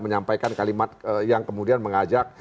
menyampaikan kalimat yang kemudian mengajak